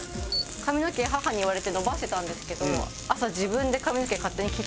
髪の毛母に言われて伸ばしてたんですけど朝自分で髪の毛勝手に切っちゃったりとかして。